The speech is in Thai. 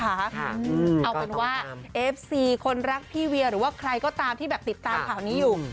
เอาเป็นว่าเอฟซีคนรักพี่เวียหรือว่าใครก็ตามที่แบบติดตามข่าวนี้อยู่